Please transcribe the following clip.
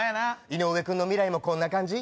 井上君の未来もこんな感じ？